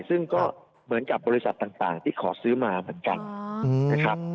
ซึ่งก็เหมือนกับบริษัทต่างที่ขอซื้อมาเหมือนกันนะครับ